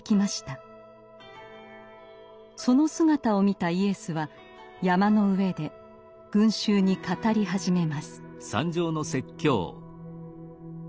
その姿を見たイエスは山の上で群衆に語り始めます。